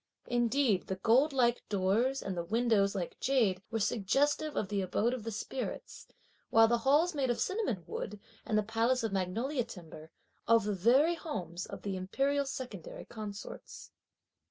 Indeed, the gold like doors and the windows like jade were suggestive of the abode of spirits; while the halls made of cinnamon wood and the palace of magnolia timber, of the very homes of the imperial secondary consorts.